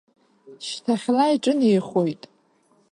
Шьҭахьла иҿынеихоит.